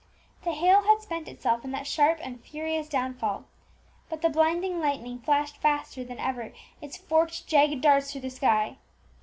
The hail had spent itself in that sharp and furious downfall, but the blinding lightning flashed faster than ever its forked, jagged darts through the sky.